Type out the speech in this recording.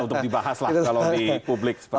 itu dibahas lah kalau di publik seperti ini